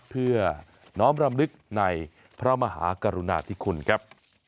เพื่อน้อมรำลึกในพระมหากรุณาธิคุณครับ